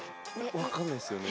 分かんないですよね。